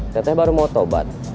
teteh baru mau tobat